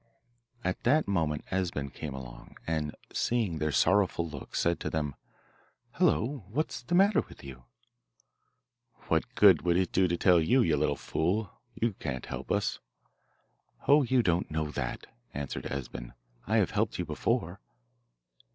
At that moment Esben came along, and, seeing their sorrowful looks, said to them, 'Hello, what's the matter with you?' 'What good would it do to tell you, you little fool? You can't help us.' 'Oh, you don't know that,' answered Esben. 'I have helped you before.